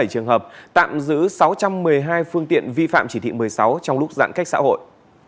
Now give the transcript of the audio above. bảy mươi trường hợp tạm giữ sáu trăm một mươi hai phương tiện vi phạm chỉ thị một mươi sáu trong lúc giãn cách xã hội